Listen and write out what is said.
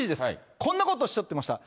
こんなことおっしゃってました。